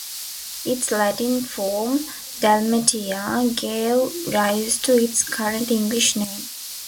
Its Latin form "Dalmatia" gave rise to its current English name.